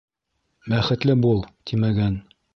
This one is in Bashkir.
Бәхетле бул, тимәгән.